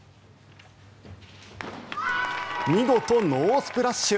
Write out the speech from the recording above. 見事、ノースプラッシュ。